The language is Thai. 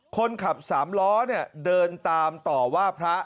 คนขับสามล้อเดินตามต่อว่าพระ